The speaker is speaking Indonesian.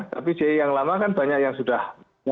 tapi j yang lama kan banyak yang sudah